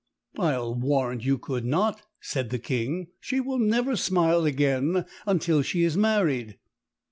"I'll warrant you could not," said the King. "She will never smile again until she is married."